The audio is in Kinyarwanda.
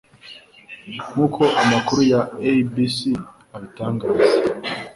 Nk'uko amakuru ya ABC abitangaza